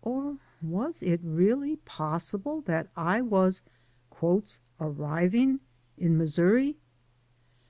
Or was it really possible that I was "arriving" in Missouri?